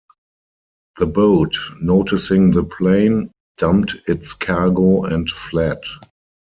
The boat, noticing the plane, dumped its cargo and fled.